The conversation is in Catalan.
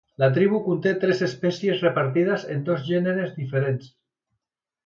La tribu conté tres espècies repartides en dos gèneres diferents.